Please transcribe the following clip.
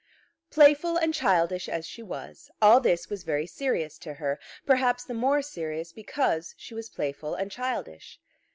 Playful and childish as she was, all this was very serious to her; perhaps the more serious because she was playful and childish.